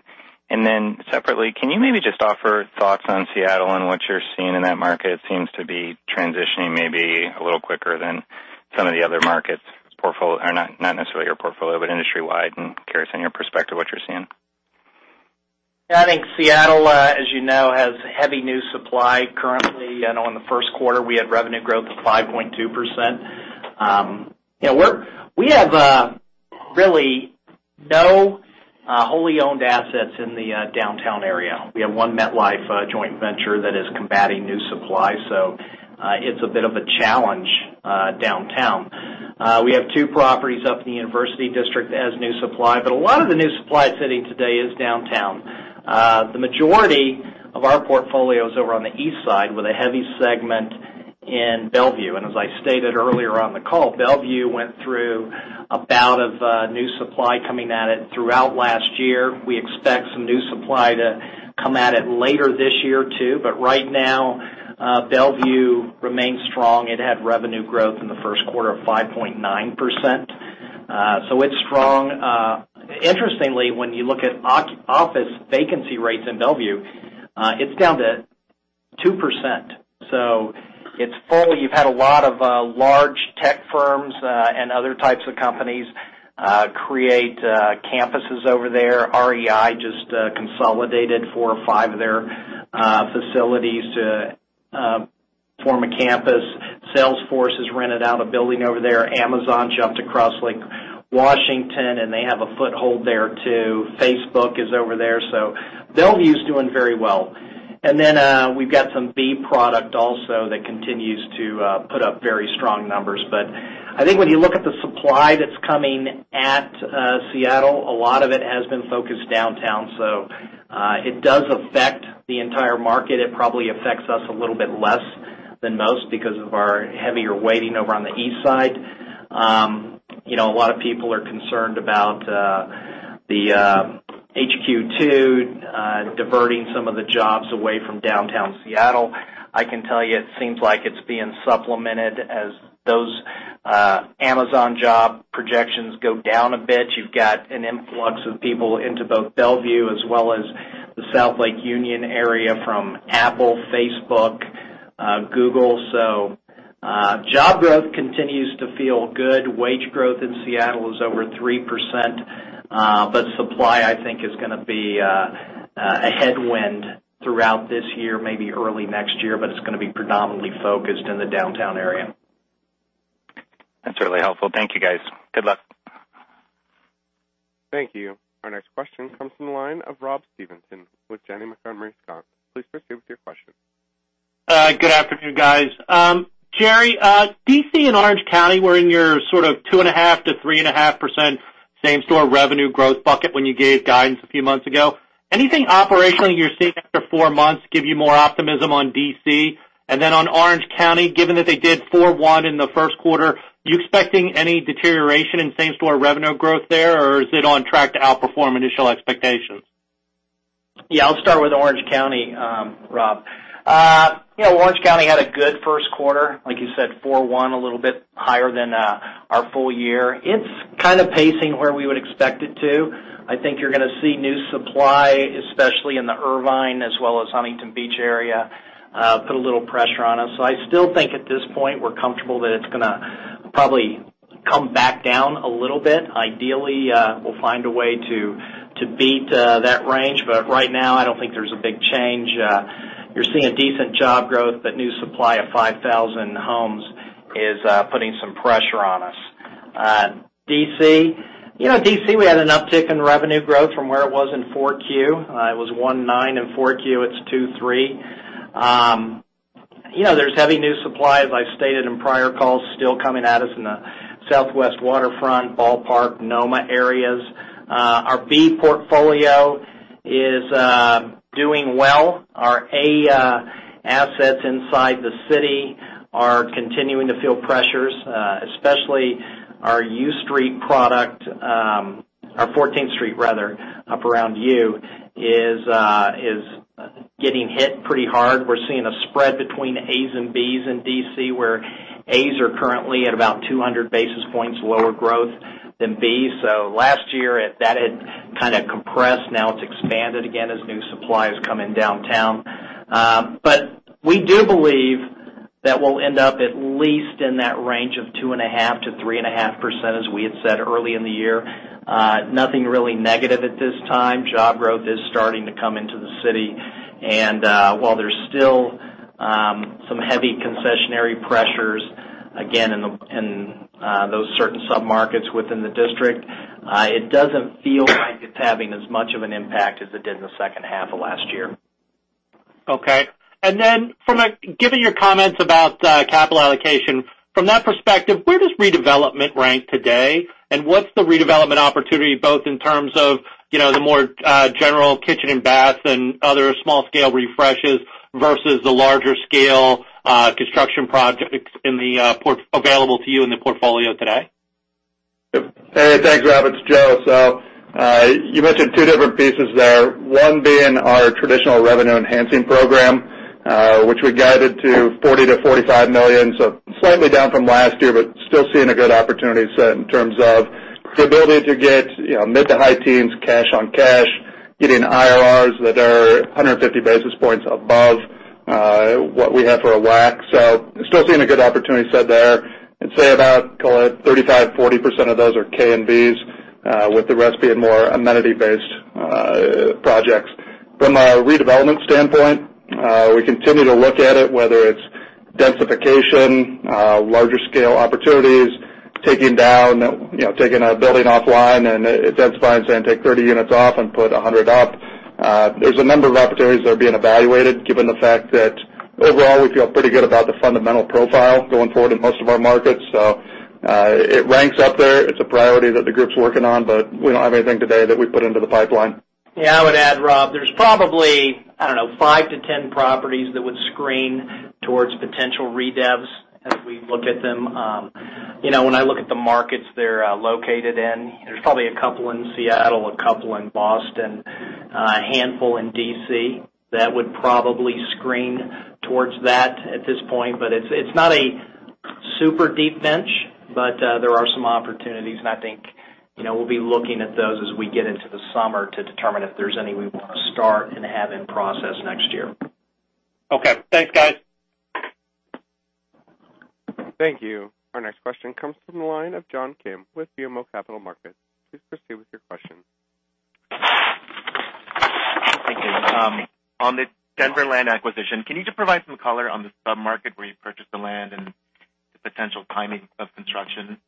Separately, can you maybe just offer thoughts on Seattle and what you're seeing in that market? It seems to be transitioning maybe a little quicker than some of the other markets, not necessarily your portfolio, but industry-wide, and curious on your perspective, what you're seeing. I think Seattle, as you know, has heavy new supply currently. I know in the first quarter, we had revenue growth of 5.2%. We have really no wholly-owned assets in the downtown area. We have one MetLife joint venture that is combating new supply, so it's a bit of a challenge downtown. We have two properties up in the University District as new supply, but a lot of the new supply sitting today is downtown. The majority of our portfolio's over on the east side with a heavy segment in Bellevue. As I stated earlier on the call, Bellevue went through a bout of new supply coming at it throughout last year. We expect some new supply to come at it later this year, too. Right now, Bellevue remains strong. It had revenue growth in the first quarter of 5.9%, so it's strong. Interestingly, when you look at office vacancy rates in Bellevue, it's down to 2%, so it's full. You've had a lot of large tech firms, and other types of companies, create campuses over there. REI just consolidated four or five of their facilities to form a campus. Salesforce has rented out a building over there. Amazon jumped across Lake Washington, and they have a foothold there, too. Facebook is over there. Bellevue's doing very well. We've got some B product also that continues to put up very strong numbers. I think when you look at the supply that's coming at Seattle, a lot of it has been focused downtown, so it does affect the entire market. It probably affects us a little bit less than most because of our heavier weighting over on the east side. A lot of people are concerned about the HQ2 diverting some of the jobs away from downtown Seattle. I can tell you, it seems like it's being supplemented as those Amazon job projections go down a bit. You've got an influx of people into both Bellevue as well as the South Lake Union area from Apple, Facebook, Google. Job growth continues to feel good. Wage growth in Seattle is over 3%. Supply, I think, is going to be a headwind throughout this year, maybe early next year, but it's going to be predominantly focused in the downtown area. That's really helpful. Thank you, guys. Good luck. Thank you. Our next question comes from the line of Robert Stevenson with Janney Montgomery Scott. Please proceed with your question. Good afternoon, guys. Jerry, D.C. and Orange County were in your sort of 2.5%-3.5% same-store revenue growth bucket when you gave guidance a few months ago. Anything operational you're seeing after four months give you more optimism on D.C.? Then on Orange County, given that they did 4.1 in the first quarter, are you expecting any deterioration in same-store revenue growth there, or is it on track to outperform initial expectations? Yeah, I'll start with Orange County, Rob. Orange County had a good first quarter, like you said, 4.1, a little bit higher than our full year. It's kind of pacing where we would expect it to. I still think at this point, we're comfortable that it's going to probably come back down a little bit. Ideally, we'll find a way to beat that range. Right now, I don't think there's a big change. You're seeing a decent job growth. New supply of 5,000 homes is putting some pressure on us. D.C., we had an uptick in revenue growth from where it was in four Q. It was 1.9 in four Q, it's 2.3. There's heavy new supply, as I've stated in prior calls, still coming at us in the Southwest Waterfront, Ballpark, NoMa areas. Our B portfolio is doing well. Our A assets inside the city are continuing to feel pressures, especially our U Street product. Our 14th Street, rather, up around U, is getting hit pretty hard. We're seeing a spread between As and Bs in D.C., where As are currently at about 200 basis points lower growth than Bs. Last year, that had kind of compressed. Now it's expanded again as new supply is coming downtown. We do believe that we'll end up at least in that range of 2.5%-3.5%, as we had said early in the year. Nothing really negative at this time. Job growth is starting to come into the city. While there's still some heavy concessionary pressures, again, in those certain sub-markets within the district, it doesn't feel like it's having as much of an impact as it did in the second half of last year. Given your comments about capital allocation, from that perspective, where does redevelopment rank today? What's the redevelopment opportunity, both in terms of the more general kitchen and baths and other small-scale refreshes, versus the larger scale construction projects available to you in the portfolio today? Hey, thanks, Rob. It's Joe. You mentioned two different pieces there. One being our traditional revenue-enhancing program, which we guided to $40 million-$45 million, slightly down from last year, but still seeing a good opportunity set in terms of the ability to get mid to high teens cash on cash, getting IRRs that are 150 basis points above what we have for a WAC. Still seeing a good opportunity set there. I'd say about, call it 35%-40% of those are K and Bs, with the rest being more amenity-based projects. From a redevelopment standpoint, we continue to look at it, whether it's densification, larger scale opportunities, taking a building offline and densifying, saying, "Take 30 units off and put 100 up." There's a number of opportunities that are being evaluated given the fact that overall, we feel pretty good about the fundamental profile going forward in most of our markets. It ranks up there. It's a priority that the group's working on, we don't have anything today that we put into the pipeline. Yeah, I would add, Rob, there's probably, I don't know, 5-10 properties that would screen towards potential redevs as we look at them. When I look at the markets they're located in, there's probably a couple in Seattle, a couple in Boston, a handful in D.C. that would probably screen towards that at this point. It's not a super deep bench, there are some opportunities, I think we'll be looking at those as we get into the summer to determine if there's any we want to start and have in process next year. Okay. Thanks, guys. Thank you. Our next question comes from the line of John Kim with BMO Capital Markets. Please proceed with your question. Thank you. On the Denver land acquisition, can you just provide some color on the sub-market where you purchased the land and the potential timing of construction?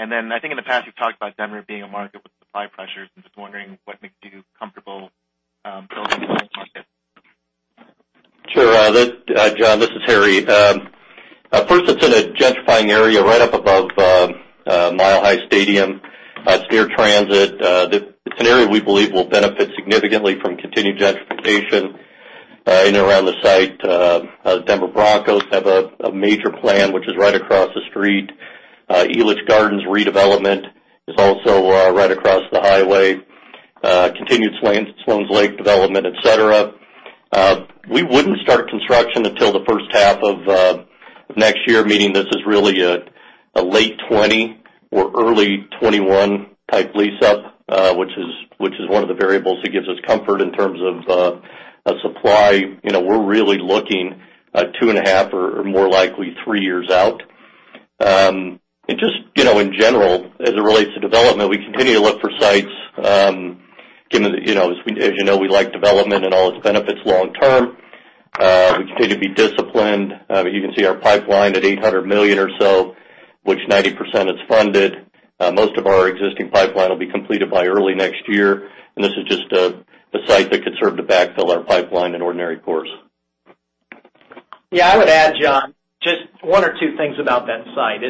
I think in the past you've talked about Denver being a market with supply pressures. I'm just wondering what makes you comfortable building in that market. Sure. John, this is Harry. First, it's in a gentrifying area right up above Mile High Stadium. It's near transit. It's an area we believe will benefit significantly from continued gentrification in and around the site. Denver Broncos have a major plan, which is right across the street. Elitch Gardens redevelopment is also right across the highway. Continued Sloan's Lake development, et cetera. We wouldn't start construction until the first half of next year, meaning this is really a late 2020 or early 2021 type lease up, which is one of the variables that gives us comfort in terms of supply. We're really looking two and a half or more likely three years out. As it relates to development, we continue to look for sites. As you know, we like development and all its benefits long term. We continue to be disciplined. You can see our pipeline at $800 million or so, which 90% is funded. Most of our existing pipeline will be completed by early next year. This is just a site that could serve to backfill our pipeline in ordinary course. Yeah, I would add, John, just one or two things about that site.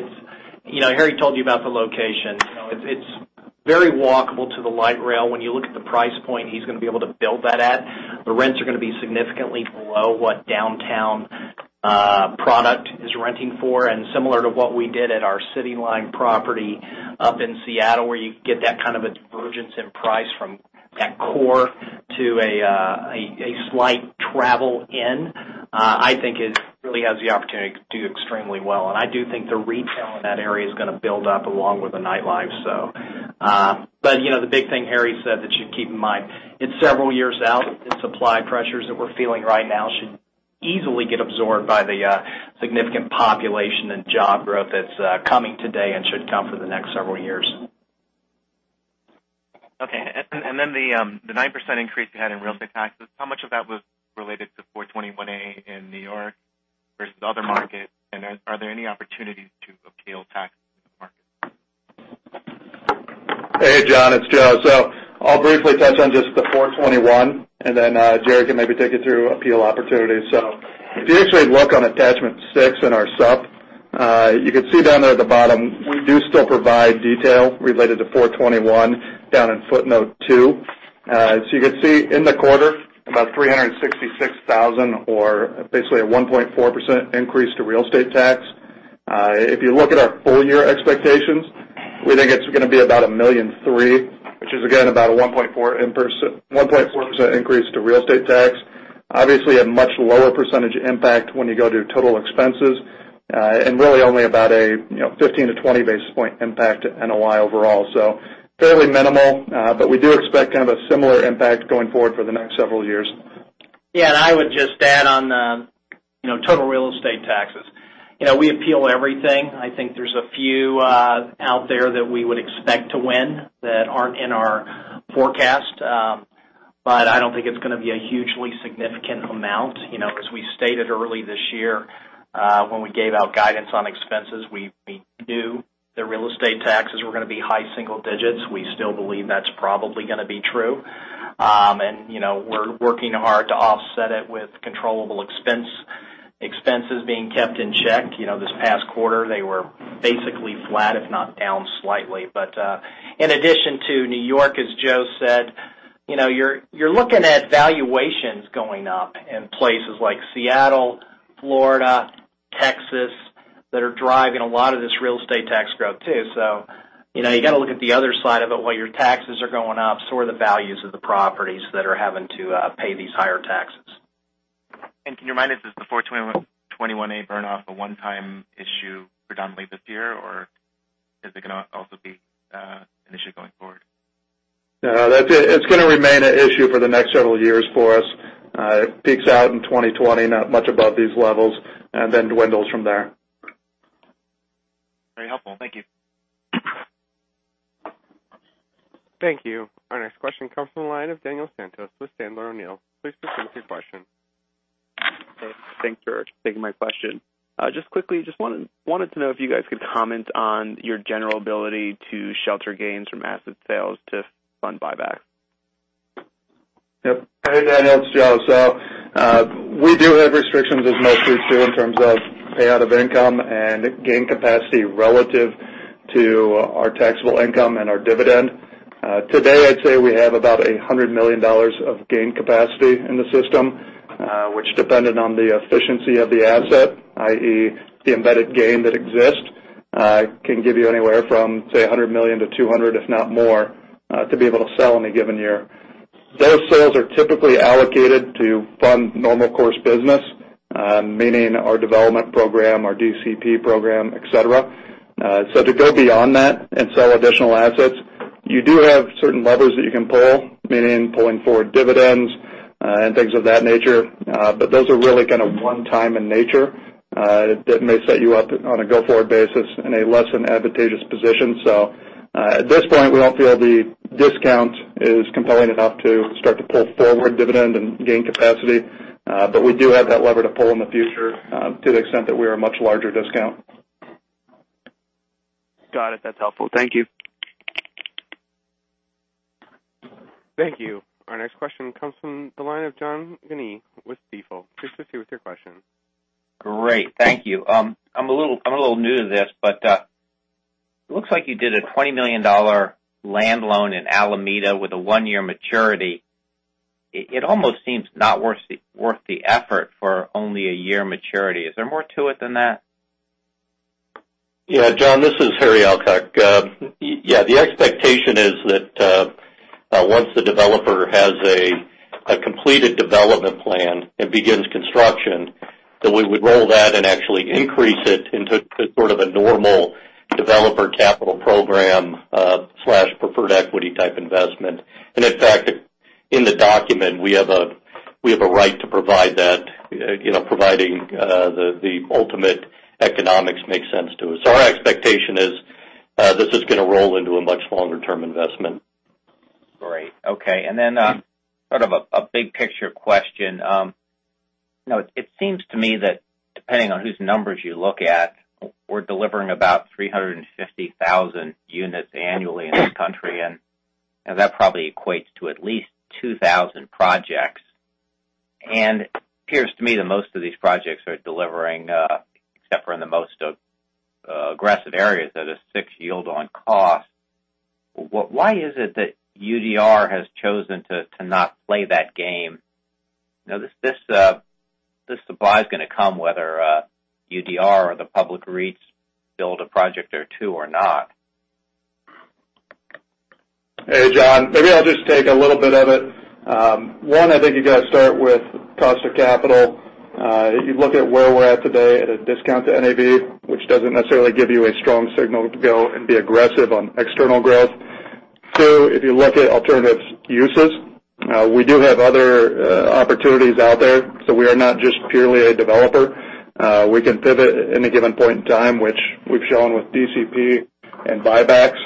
Harry told you about the location. It's very walkable to the light rail. When you look at the price point he's going to be able to build that at, the rents are going to be significantly below what downtown product is renting for, similar to what we did at our CityLine property up in Seattle, where you get that kind of a divergence in price from that core to a slight travel in. I think it really has the opportunity to do extremely well. I do think the retail in that area is going to build up along with the nightlife. The big thing Harry said that you should keep in mind, it's several years out. The supply pressures that we're feeling right now should easily get absorbed by the significant population and job growth that's coming today and should come for the next several years. Okay. The 9% increase you had in real estate taxes, how much of that was related to 421-a in New York versus other markets? Are there any opportunities to appeal taxes in the market? Hey, John, it's Joe. I'll briefly touch on just the 421-a. Jerry can maybe take you through appeal opportunities. If you actually look on attachment six in our supp, you could see down there at the bottom, we do still provide detail related to 421-a down in footnote two. You could see in the quarter, about $366,000 or basically a 1.4% increase to real estate tax. If you look at our full-year expectations, we think it's going to be about $1.3 million, which is again, about a 1.4% increase to real estate tax. Obviously, a much lower percentage impact when you go do total expenses, and really only about a 15-20 basis point impact to NOI overall. Fairly minimal, but we do expect kind of a similar impact going forward for the next several years. I would just add on the total real estate taxes. We appeal everything. I think there's a few out there that we would expect to win that aren't in our forecast. I don't think it's going to be a hugely significant amount. As we stated early this year, when we gave out guidance on expenses, we knew the real estate taxes were going to be high single digits. We still believe that's probably going to be true. We're working hard to offset it with controllable expenses being kept in check. This past quarter, they were basically flat, if not down slightly. In addition to New York, as Joe said, you're looking at valuations going up in places like Seattle, Florida, Texas, that are driving a lot of this real estate tax growth, too. You got to look at the other side of it. While your taxes are going up, so are the values of the properties that are having to pay these higher taxes. Can you remind us, is the 421-a burn-off a one-time issue predominantly this year, or is it going to also be an issue going forward? No, that's it. It's going to remain an issue for the next several years for us. It peaks out in 2020, not much above these levels, and then dwindles from there. Very helpful. Thank you. Thank you. Our next question comes from the line of Alexander Goldfarb with Sandler O'Neill. Please proceed with your question. Thanks for taking my question. Just quickly, just wanted to know if you guys could comment on your general ability to shelter gains from asset sales to fund buyback. Yep. Hey, Daniel. It's Joe. We do have restrictions as most REITs do in terms of payout of income and gain capacity relative to our taxable income and our dividend. Today, I'd say we have about $100 million of gain capacity in the system, which depended on the efficiency of the asset, i.e., the embedded gain that exists, can give you anywhere from, say, $100 million to $200 million, if not more, to be able to sell in a given year. Those sales are typically allocated to fund normal course business, meaning our development program, our DCP program, et cetera. To go beyond that and sell additional assets, you do have certain levers that you can pull, meaning pulling forward dividends and things of that nature. But those are really kind of one time in nature. That may set you up on a go-forward basis in a less than advantageous position. At this point, we don't feel the discount is compelling enough to start to pull forward dividend and gain capacity. We do have that lever to pull in the future, to the extent that we are much larger discount. Got it. That's helpful. Thank you. Thank you. Our next question comes from the line of John Guinee with Stifel. Please proceed with your question. Great. Thank you. I'm a little new to this, but it looks like you did a $20 million land loan in Alameda with a one-year maturity. It almost seems not worth the effort for only a year maturity. Is there more to it than that? John, this is Harry Alcock. The expectation is that once the developer has a completed development plan and begins construction, that we would roll that and actually increase it into sort of a normal developer capital program/preferred equity type investment. In fact, in the document, we have a right to provide that, providing the ultimate economics makes sense to us. Our expectation is, this is going to roll into a much longer-term investment. Great. Okay. Then, sort of a big picture question. It seems to me that depending on whose numbers you look at, we're delivering about 350,000 units annually in this country, and that probably equates to at least 2,000 projects. It appears to me that most of these projects are delivering, except for in the most aggressive areas, at a six yield on cost. Why is it that UDR has chosen to not play that game? This supply is going to come whether UDR or the public REITs build a project or two or not. Hey, John. Maybe I'll just take a little bit of it. One, I think you got to start with cost of capital. If you look at where we're at today at a discount to NAV, which doesn't necessarily give you a strong signal to go and be aggressive on external growth. Two, if you look at alternative uses, we do have other opportunities out there. We are not just purely a developer. We can pivot at any given point in time, which we've shown with DCP and buybacks.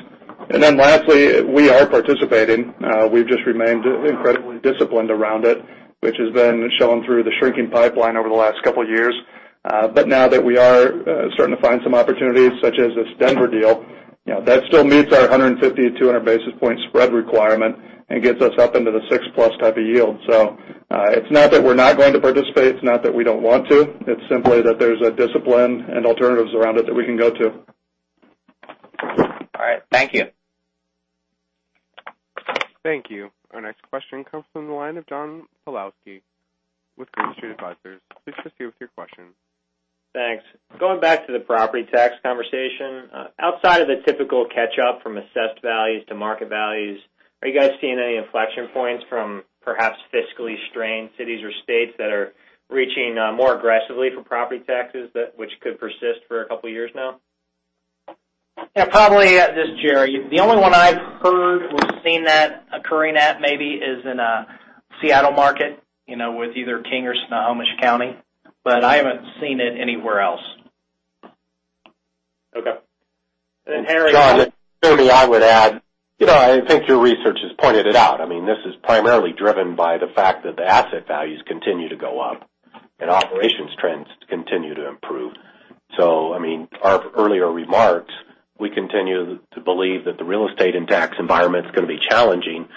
Lastly, we are participating. We've just remained incredibly disciplined around it, which has been shown through the shrinking pipeline over the last couple of years. Now that we are starting to find some opportunities, such as this Denver deal, that still meets our 150-200 basis point spread requirement and gets us up into the six-plus type of yield. It's not that we're not going to participate, it's not that we don't want to, it's simply that there's a discipline and alternatives around it that we can go to. All right. Thank you. Thank you. Our next question comes from the line of John Pawlowski with Green Street Advisors. Please proceed with your question. Thanks. Going back to the property tax conversation. Outside of the typical catch-up from assessed values to market values, are you guys seeing any inflection points from perhaps fiscally strained cities or states that are reaching more aggressively for property taxes, which could persist for a couple of years now? Yeah, probably. This is Jerry. The only one I've heard or seen that occurring at maybe is in Seattle market, with either King or Snohomish County, but I haven't seen it anywhere else. Okay. Harry. John, certainly I would add, I think your research has pointed it out. This is primarily driven by the fact that the asset values continue to go up and operations trends continue to improve. Our earlier remarks, we continue to believe that the real estate and tax environment's going to be challenging,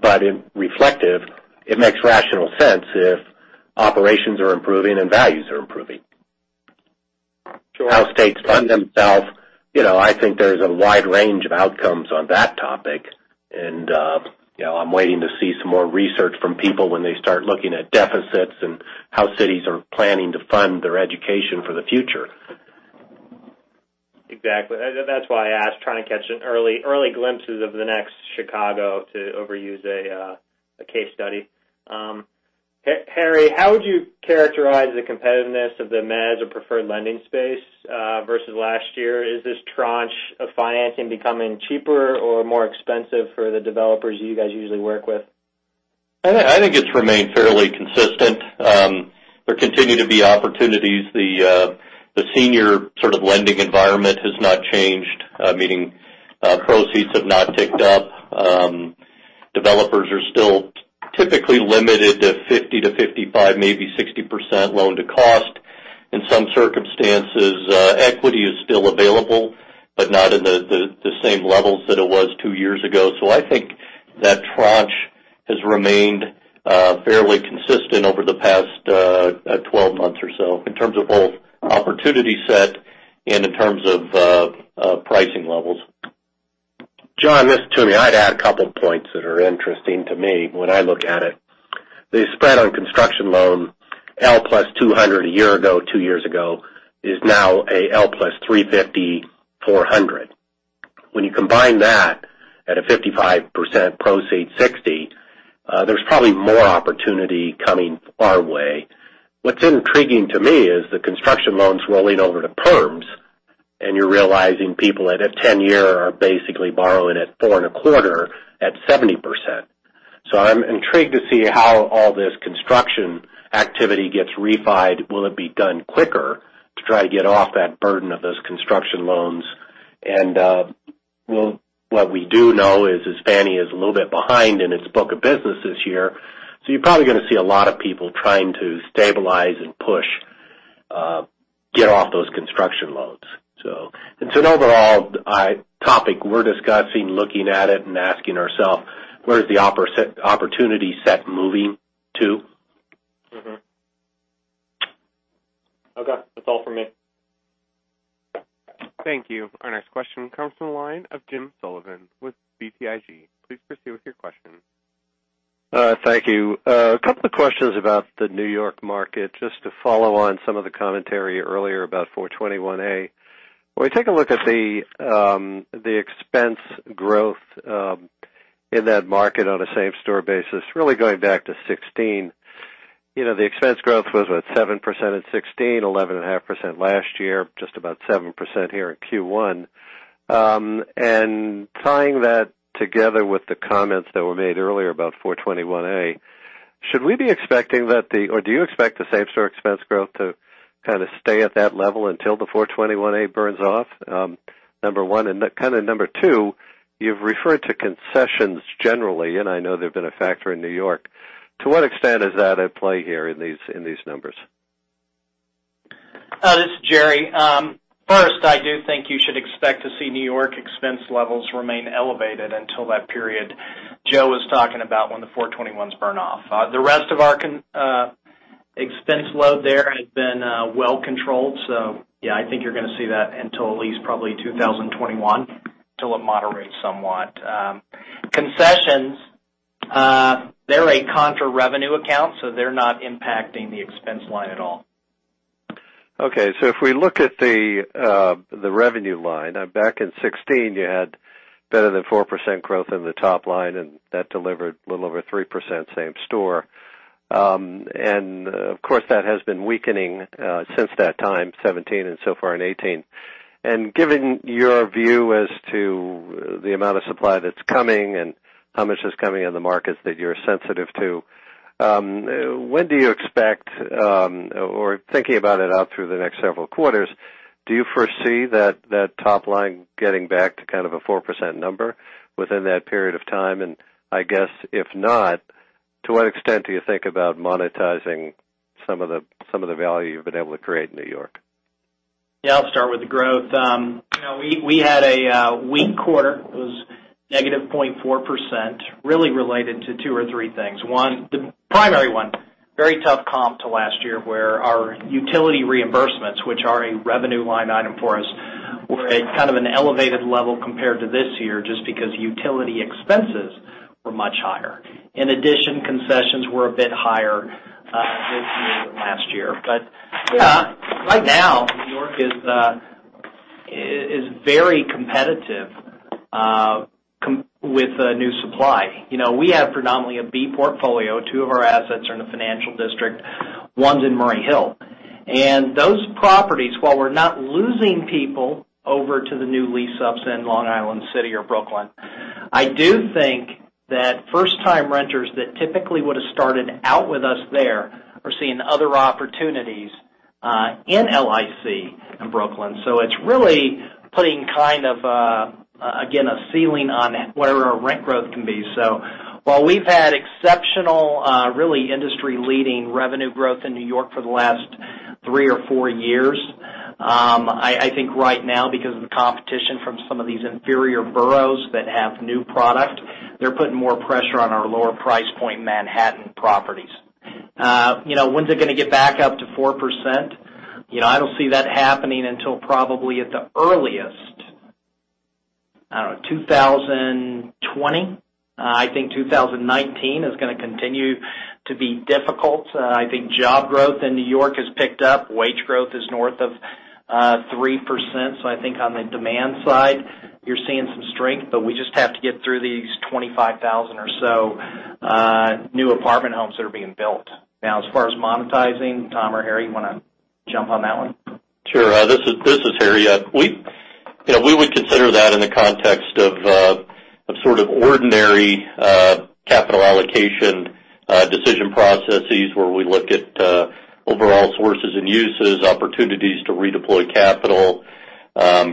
but in reflective, it makes rational sense if operations are improving and values are improving. Sure. How states fund themselves, I think there's a wide range of outcomes on that topic, and I'm waiting to see some more research from people when they start looking at deficits and how cities are planning to fund their education for the future. Exactly. That's why I asked, trying to catch early glimpses of the next Chicago to overuse a case study. Harry, how would you characterize the competitiveness of the mezz or preferred lending space versus last year? Is this tranche of financing becoming cheaper or more expensive for the developers you guys usually work with? I think it's remained fairly consistent. There continue to be opportunities. The senior sort of lending environment has not changed, meaning proceeds have not ticked up. Developers are still typically limited to 50%-55%, maybe 60% loan to cost. In some circumstances, equity is still available, but not in the same levels that it was two years ago. I think that tranche has remained fairly consistent over the past 12 months or so in terms of both opportunity set and in terms of pricing levels. John, this is Tony. I'd add a couple points that are interesting to me when I look at it. The spread on construction loan, L + 200 a year ago, two years ago, is now a L + 350, 400. When you combine that at a 55%-60% proceed, there's probably more opportunity coming our way. What's intriguing to me is the construction loans rolling over to perms, and you're realizing people at a 10-year are basically borrowing at four and a quarter at 70%. I'm intrigued to see how all this construction activity gets refied. Will it be done quicker to try to get off that burden of those construction loans? Well, what we do know is Fannie is a little bit behind in its book of business this year, you're probably going to see a lot of people trying to stabilize and push, get off those construction loans. It's an overall topic we're discussing, looking at it and asking ourselves, where is the opportunity set moving to? Mm-hmm. Okay. That's all for me. Thank you. Our next question comes from the line of James Sullivan with BTIG. Please proceed with your question. Thank you. A couple of questions about the New York market, just to follow on some of the commentary earlier about 421-a. When we take a look at the expense growth in that market on a same-store basis, really going back to 2016, the expense growth was, what, 7% in 2016, 11.5% last year, just about 7% here in Q1. Tying that together with the comments that were made earlier about 421-a, do you expect the same store expense growth to kind of stay at that level until the 421-a burns off, number one? Kind of number two, you've referred to concessions generally, and I know they've been a factor in New York. To what extent is that at play here in these numbers? This is Jerry. First, I do think you should expect to see New York expense levels remain elevated until that period Joe was talking about when the 421-as burn off. The rest of our expense load there has been well controlled. Yeah, I think you're gonna see that until at least probably 2021, till it moderates somewhat. Concessions, they're a contra revenue account, so they're not impacting the expense line at all. Okay. If we look at the revenue line, back in 2016, you had better than 4% growth in the top line, and that delivered a little over 3% same store. Of course, that has been weakening since that time, 2017 and so far in 2018. Given your view as to the amount of supply that's coming and how much is coming in the markets that you're sensitive to, when do you expect, or thinking about it out through the next several quarters, do you foresee that top line getting back to kind of a 4% number within that period of time? I guess, if not, to what extent do you think about monetizing some of the value you've been able to create in New York? Yeah, I'll start with the growth. We had a weak quarter. It was negative 0.4%, really related to two or three things. One, the primary one, very tough comp to last year where our utility reimbursements, which are a revenue line item for us, were at kind of an elevated level compared to this year, just because utility expenses were much higher. In addition, concessions were a bit higher this year than last year. Right now, New York is very competitive with new supply. We have predominantly a B portfolio. Two of our assets are in the Financial District, one's in Murray Hill. Those properties, while we're not losing people over to the new lease-ups in Long Island City or Brooklyn, I do think that first-time renters that typically would've started out with us there are seeing other opportunities in LIC, in Brooklyn. It's really putting kind of, again, a ceiling on where our rent growth can be. While we've had exceptional, really industry-leading revenue growth in New York for the last three or four years, I think right now, because of the competition from some of these inferior boroughs that have new product, they're putting more pressure on our lower price point Manhattan properties. When's it gonna get back up to 4%? I don't see that happening until probably at the earliest, I don't know, 2020. I think 2019 is gonna continue to be difficult. I think job growth in New York has picked up. Wage growth is north of 3%. I think on the demand side, you're seeing some strength, but we just have to get through these 25,000 or so new apartment homes that are being built. As far as monetizing, Tom or Harry, you want to jump on that one? Sure. This is Harry. We would consider that in the context of ordinary capital allocation decision processes where we look at overall sources and uses, opportunities to redeploy capital,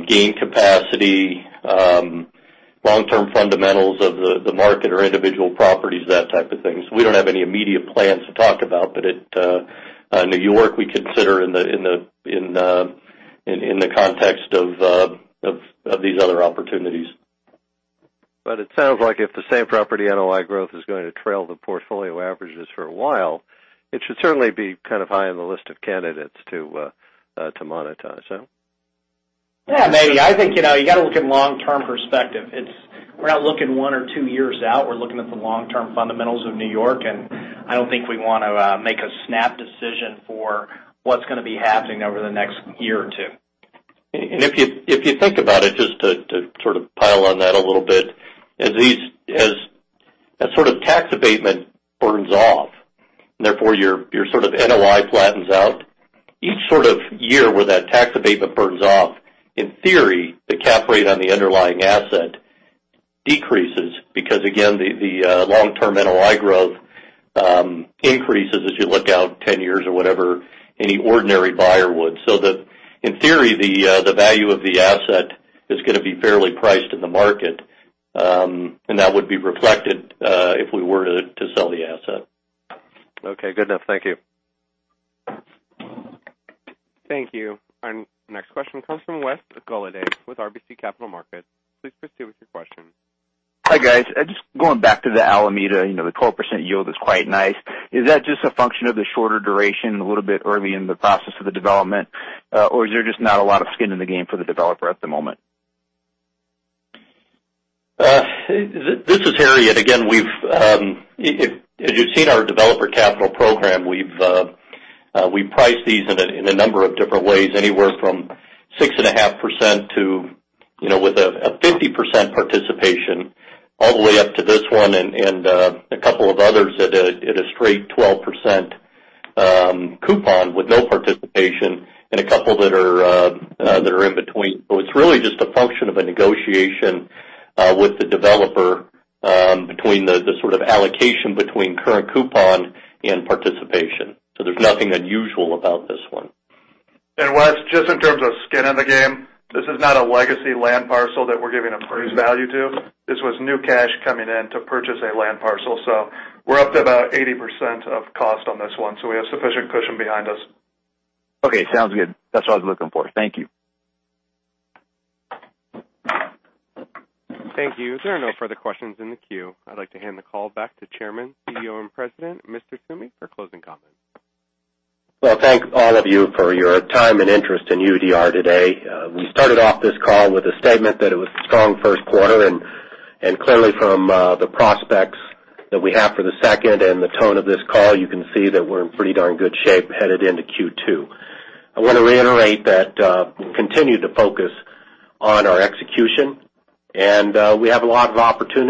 gain capacity, long-term fundamentals of the market or individual properties, that type of thing. We don't have any immediate plans to talk about, but at New York, we consider in the context of these other opportunities. It sounds like if the same property NOI growth is going to trail the portfolio averages for a while, it should certainly be kind of high on the list of candidates to monetize, no? Yeah, maybe. I think, you got to look in long-term perspective. We're not looking one or two years out. We're looking at the long-term fundamentals of New York, I don't think we want to make a snap decision for what's going to be happening over the next year or two. If you think about it, just to sort of pile on that a little bit, as that sort of tax abatement burns off, therefore, your sort of NOI flattens out, each sort of year where that tax abatement burns off, in theory, the cap rate on the underlying asset decreases because, again, the long-term NOI growth increases as you look out 10 years or whatever any ordinary buyer would. That in theory, the value of the asset is going to be fairly priced in the market. That would be reflected if we were to sell the asset. Okay, good enough. Thank you. Thank you. Our next question comes from Wes Golladay with RBC Capital Markets. Please proceed with your question. Hi, guys. Just going back to the Alameda, the 12% yield is quite nice. Is that just a function of the shorter duration, a little bit early in the process of the development? Or is there just not a lot of skin in the game for the developer at the moment? This is Harry. Again, as you've seen our Developer Capital Program, we price these in a number of different ways, anywhere from 6.5% with a 50% participation, all the way up to this one and a couple of others at a straight 12% coupon with no participation and a couple that are in between. It's really just a function of a negotiation with the developer between the sort of allocation between current coupon and participation. There's nothing unusual about this one. Wes, just in terms of skin in the game, this is not a legacy land parcel that we're giving appraised value to. This was new cash coming in to purchase a land parcel. We're up to about 80% of cost on this one, we have sufficient cushion behind us. Okay, sounds good. That's what I was looking for. Thank you. Thank you. If there are no further questions in the queue, I'd like to hand the call back to Chairman, CEO, and President, Mr. Toomey, for closing comments. Thanks all of you for your time and interest in UDR today. We started off this call with a statement that it was a strong first quarter, clearly from the prospects that we have for the second and the tone of this call, you can see that we're in pretty darn good shape headed into Q2. I want to reiterate that we'll continue to focus on our execution, we have a lot of opportunity.